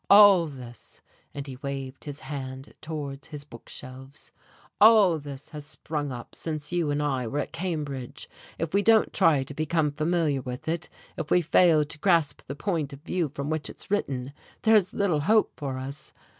All this" and he waved his hand towards his bookshelves "all this has sprung up since you and I were at Cambridge; if we don't try to become familiar with it, if we fail to grasp the point of view from which it's written, there's little hope for us.